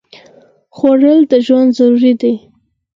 خوړل د ژوند ضرورت دی